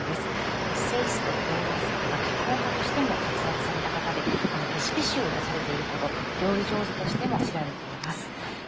エッセイスト童話作家脚本家としても活躍された方でレシピ集を出されているほど料理上手としても知られています。